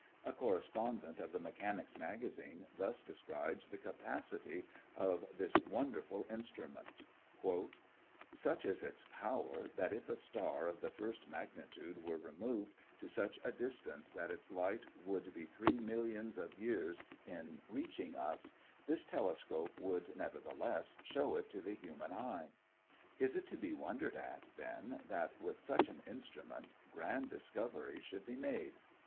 A correspondent of the Mechanics' Magazine thus describes the capacity of this wonderful instrument: "Such is its power, that if a star of the first magnitude were removed to such a distance, that its light would be three millions of years in reaching us, this telescope would, nevertheless, show it to the human eye. Is it to be wondered at, then, that, with such an instrument, grand discoveries should be made?